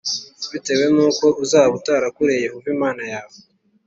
bitewe n’uko uzaba utarakoreye Yehova Imana yawe